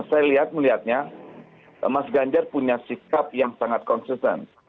saya lihat melihatnya mas ganjar punya sikap yang sangat konsisten